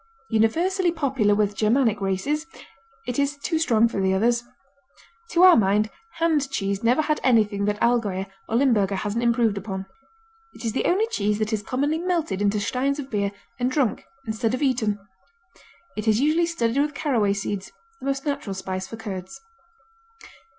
Universally popular with Germanic races, it is too strong for the others. To our mind, Hand cheese never had anything that Allgäuer or Limburger hasn't improved upon. It is the only cheese that is commonly melted into steins of beer and drunk instead of eaten. It is usually studded with caraway seeds, the most natural spice for curds.